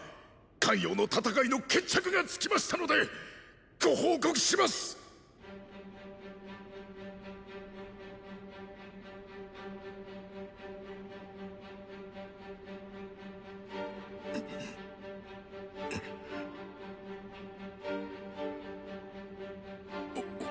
咸陽の戦いの決着がつきましたのでご報告しますっ！！